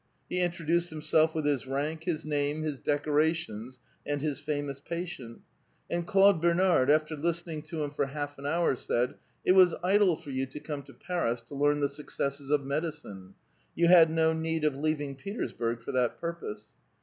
He introduced himself with his rank, his name, his decorations, and his famous patient ; and Claude Bernard, after listening to him for half an hour, said, " It was idle for you to come to Paris to learn the successes of medicine ; you had no need of leav ing Petersburg for that purpose."